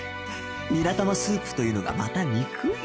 ニラ玉スープというのがまた憎い！